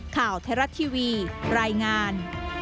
ข่าวไทยรัฐทีวีรายงาน